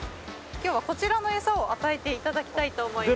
今日はこちらの餌を与えて頂きたいと思います。